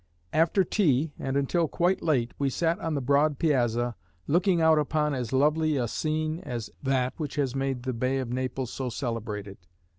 After tea, and until quite late, we sat on the broad piazza, looking out upon as lovely a scene as that which has made the Bay of Naples so celebrated.